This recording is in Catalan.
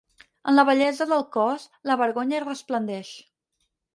En la bellesa del cos, la vergonya hi resplendeix.